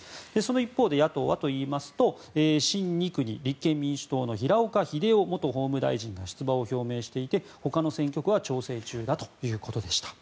一方、野党はというと新２区に立憲民主党の平岡秀夫元法務大臣が出馬を表明していて他の選挙区は調整中だということでした。